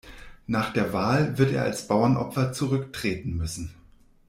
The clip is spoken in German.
Nach der Wahl wird er als Bauernopfer zurücktreten müssen.